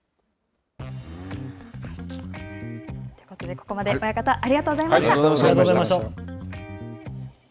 ここまで親方、ありがとうございました。